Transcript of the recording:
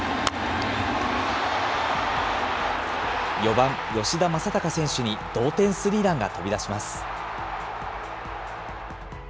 ４番吉田正尚選手に同点スリーランが飛び出します。